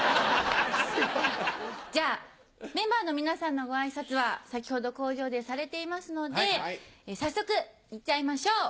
じゃメンバーの皆さんのご挨拶は先ほど口上でされていますので早速行っちゃいましょう。